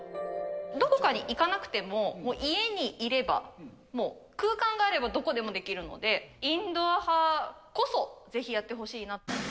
どこかに行かなくても、家にいれば、もう空間があればどこでもできるので、インドア派こそぜひやってほしいなと。